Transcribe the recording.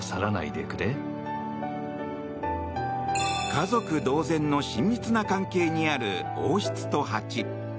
家族同然の親密な関係にある王室とハチ。